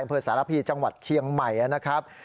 อำเภอสารพีจังหวัดเชียงใหม่นะครับ